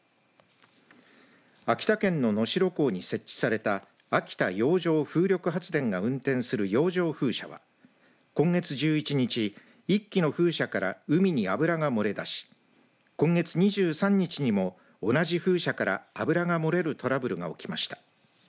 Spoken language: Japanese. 秋田県の能代港に設置された秋田洋上風力発電が運転する洋上風車は今月１１日、１基の風車から海に油が漏れ出し今月２３日にも同じ風車から油が漏れるトラブルが起きました。